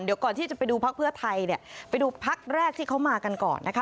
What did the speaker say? เดี๋ยวก่อนที่จะไปดูพักเพื่อไทยเนี่ยไปดูพักแรกที่เขามากันก่อนนะคะ